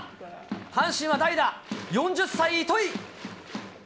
阪神は代打、４０歳、糸井。